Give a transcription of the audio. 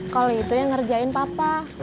kalau itu yang ngerjain papa